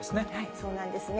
そうなんですね。